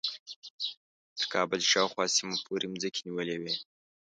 تر کابل شاوخوا سیمو پورې مځکې نیولې وې.